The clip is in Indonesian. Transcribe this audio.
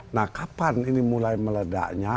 nah kapan ini mulai meledaknya